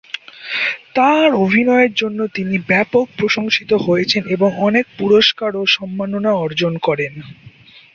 তাঁর অভিনয়ের জন্য তিনি ব্যাপক প্রশংসিত হয়েছেন এবং অনেক পুরস্কার ও সম্মাননা অর্জন করেন।